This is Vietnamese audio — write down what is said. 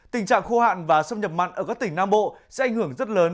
tình trạng khô hạn và xâm nhập mặn ở các tỉnh nam bộ sẽ ảnh hưởng rất lớn